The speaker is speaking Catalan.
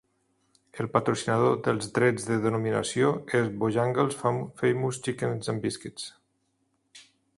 El patrocinador dels drets de denominació és Bojangles' Famous Chicken 'n Biscuits.